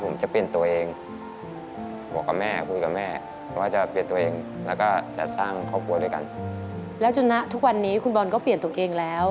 ไม่แน่ใจอินโทรอินโทรก็ขึ้นมา